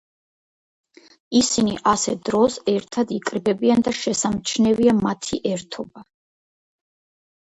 ისინი ასეთ დროს ერთად იკრიბებიან და შესამჩნევია მათი ერთობა.